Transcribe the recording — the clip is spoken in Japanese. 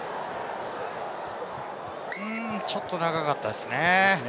ちょっと長かったですね。